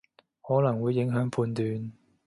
可能會影響判斷